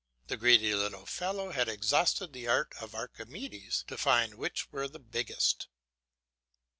The greedy little fellow had exhausted the art of Archimedes to find which were the biggest.